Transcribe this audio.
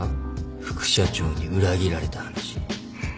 副社長に裏切られた話。